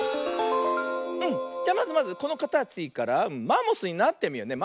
じゃまずまずこのかたちからマンモスになってみようね。